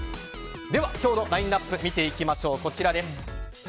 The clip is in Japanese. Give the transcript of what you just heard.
では、今日のラインアップを見ていきましょう。